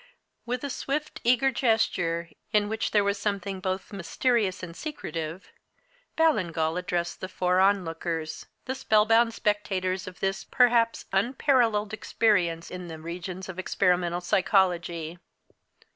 With a swift, eager gesture, in which there was something both mysterious and secretive, Ballingall addressed the four onlookers, the spellbound spectators of this, perhaps, unparelleled experience in the regions of experimental psychology.